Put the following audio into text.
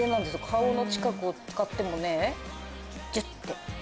顔の近くを使ってもねジュッてならない。